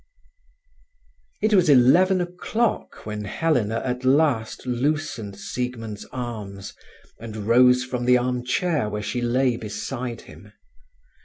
It was eleven o'clock when Helena at last loosened Siegmund's arms, and rose from the armchair where she lay beside him.